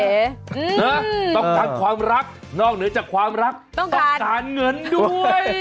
ต้องการความรักนอกเหนือจากความรักต้องการเงินด้วย